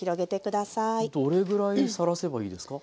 どれぐらいさらせばいいですか？